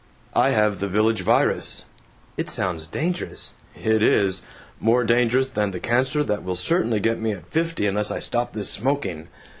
"I have the Village Virus." "It sounds dangerous." "It is. More dangerous than the cancer that will certainly get me at fifty unless I stop this smoking.